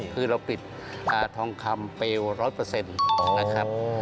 คือเราปิดทองคำเปล๑๐๐นะครับ